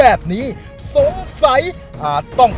แล้ววันนี้ผมมีสิ่งหนึ่งนะครับเป็นตัวแทนกำลังใจจากผมเล็กน้อยครับ